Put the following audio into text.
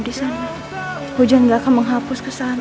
dan semoga kalian tetap berada di dalam